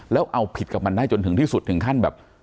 แล้วเอาผิดกับมันได้จนถึงที่สุดถึงขั้นแบบ